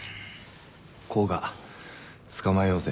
甲賀捕まえようぜ。